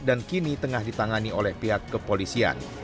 dan kini tengah ditangani oleh pihak kepolisian